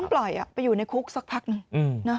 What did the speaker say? ต้องปล่อยไปอยู่ในคุกสักพักนึง